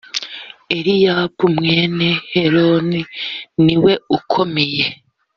eliyabu mwene heloni niwe ukomeye.